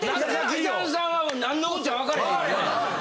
義丹さんはなんのこっちゃわかれへんよね。